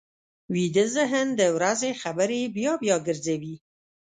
ویده ذهن د ورځې خبرې بیا بیا ګرځوي